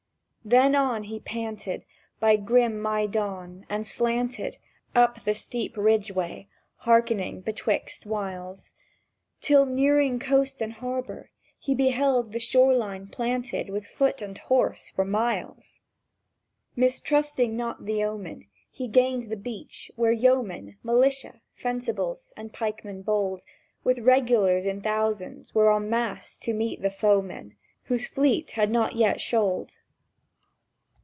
Then on he panted By grim Mai Don, and slanted Up the steep Ridge way, hearkening betwixt whiles; Till, nearing coast and harbour, he beheld the shore line planted With Foot and Horse for miles. Mistrusting not the omen, He gained the beach, where Yeomen, Militia, Fencibles, and Pikemen bold, With Regulars in thousands, were enmassed to meet the Foemen, Whose fleet had not yet shoaled.